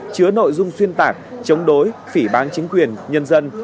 chứa nội dung xuyên tạc chống đối phỉ bán chính quyền nhân dân